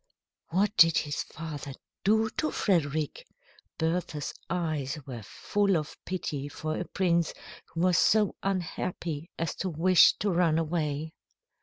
"What did his father do to Frederick?" Bertha's eyes were full of pity for a prince who was so unhappy as to wish to run away.